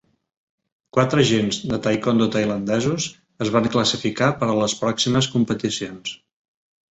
Quatre "jins" de taekwondo tailandesos es van classificar per a les pròximes competicions.